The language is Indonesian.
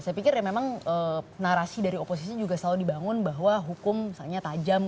saya pikir ya memang narasi dari oposisi juga selalu dibangun bahwa hukum misalnya tajam